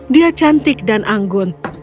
dia cantik dan anggun